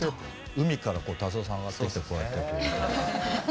海から達郎さんが上がってきてこうやって。